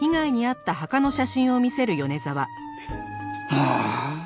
ああ！